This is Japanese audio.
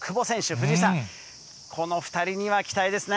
藤井さん、この２人には期待ですね。